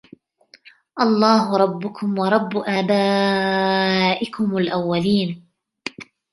الله ربكم ورب آبائكم الأولين